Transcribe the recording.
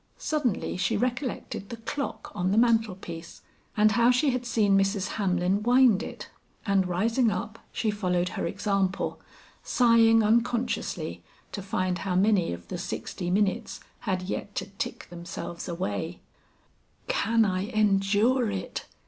Suddenly she recollected the clock on the mantel piece and how she had seen Mrs. Hamlin wind it, and rising up, she followed her example, sighing unconsciously to find how many of the sixty minutes had yet to tick themselves away, "Can I endure it!"